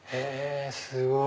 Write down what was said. すごい！